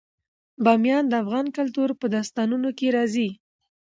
بامیان د افغان کلتور په داستانونو کې راځي.